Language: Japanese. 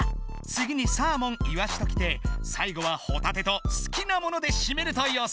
つぎにサーモンいわしときて最後はほたてと好きなものでしめるとよそう！